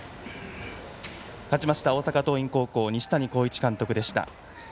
勝ちました、大阪桐蔭高校西谷浩一監督でした。